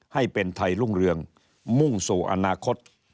ให้เป็นไทยรุ่งเรืองมุ่งสู่อนาคต